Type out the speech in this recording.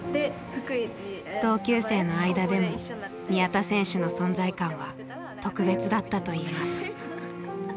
同級生の間でも宮田選手の存在感は特別だったといいます。